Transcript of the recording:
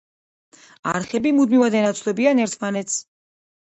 არხები მუდმივად ენაცვლებიან ერთმანეთს.